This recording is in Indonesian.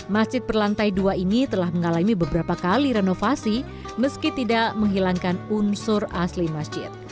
masjid berlantai dua ini telah mengalami beberapa kali renovasi meski tidak menghilangkan unsur asli masjid